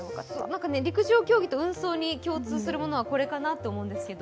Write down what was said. なんかね、陸上競技と運送に共通するのはこれかなと思ったんですけど。